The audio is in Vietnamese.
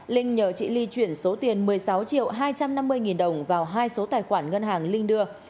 linh nhờ chị ly chuyển số tiền một mươi sáu triệu hai trăm năm mươi nghìn đồng vào hai số tài khoản ngân hàng linh đưa